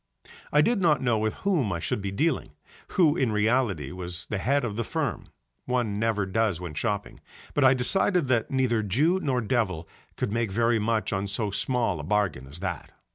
I did not know with whom I should be dealing, who in reality was the head of the firm (one never does when shopping) but I decided that neither Jew nor Devil could make very much on so small a bargain as that.